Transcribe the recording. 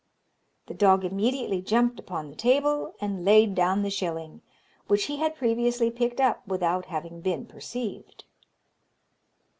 The dog immediately jumped upon the table and laid down the shilling, which he had previously picked up without having been perceived.